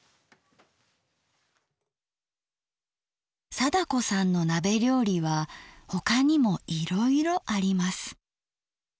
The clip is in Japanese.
貞子さんの鍋料理は他にもいろいろあります。